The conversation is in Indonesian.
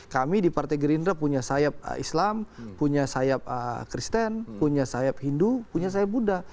kami di partai gerindra punya sayap islam punya sayap kristen punya sayap hindu punya sayap buddha